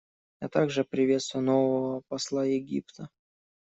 Я также приветствую нового посла Египта.